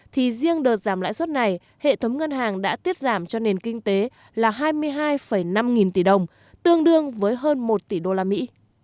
thì riêng đợt giảm lãi suất này hệ thống ngân hàng đã tiết giảm cho nền kinh tế là hai mươi hai năm nghìn tỷ đồng tương đương với hơn một tỷ đô la mỹ